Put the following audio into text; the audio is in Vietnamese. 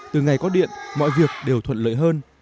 từ ngày có điện mọi việc đều thuận lợi hơn